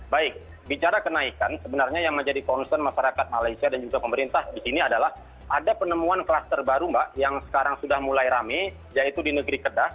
baik bicara kenaikan sebenarnya yang menjadi concern masyarakat malaysia dan juga pemerintah di sini adalah ada penemuan kluster baru mbak yang sekarang sudah mulai rame yaitu di negeri kedas